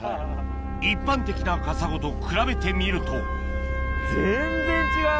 一般的なカサゴと比べてみると全然違う！